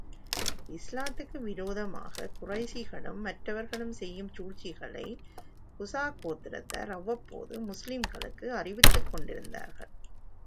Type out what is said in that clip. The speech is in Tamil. இஸ்லாத்துக்கு விரோதமாகக் குறைஷிகளும், மற்றவர்களும் செய்யும் சூழ்ச்சிகளை குஸா கோத்திரத்தார் அவ்வப்போது முஸ்லிம்களுக்கு அறிவித்துக் கொண்டிருந்தார்கள்.